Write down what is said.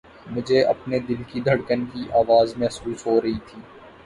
مجھے اپنے دل کی دھڑکن کی آواز محسوس ہو رہی تھی